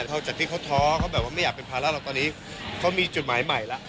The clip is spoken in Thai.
เท่าจากที่เขาท้อเขาแบบว่าไม่อยากเป็นภาระหรอกตอนนี้เขามีจุดหมายใหม่แล้ว